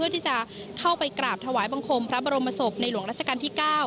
ที่จะเข้าไปกราบถวายบังคมพระบรมศพในหลวงรัชกาลที่๙